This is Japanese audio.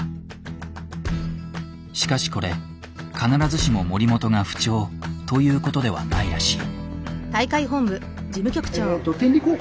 しかしこれ必ずしも森本が不調ということではないらしい。